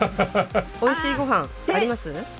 おいしいごはんあります？